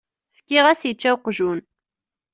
Fkiɣ-as yečča uqjun.